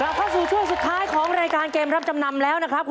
เข้าสู่ช่วงสุดท้ายของรายการเกมรับจำนำแล้วนะครับ